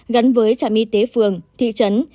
gắn với trạm y tế phường thị trấn